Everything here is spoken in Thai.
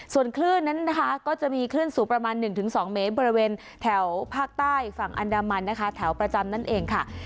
ส่วนคลื่นนั้นนะคะก็จะมีคลื่นสูงประมาณ๑๒เมตรบริเวณแถวภาคใต้ฝั่งอันดามันนะคะแถวประจำนั่นเองค่ะ